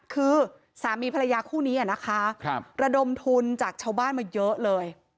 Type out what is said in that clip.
คือสามีภรรยาคู่นี้นะคะระดมทุนจากชาวบ้านมาเยอะเลย